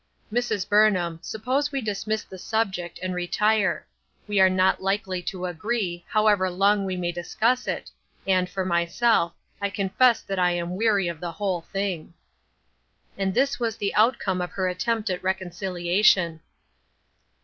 " Mrs. Burnham, suppose we dismiss the subject, and retire. We are not likely to agree, however long we may discuss it, and for myself, I confess that I am weary of the whole thing." And this was the outcome of her attempt at reconciliation.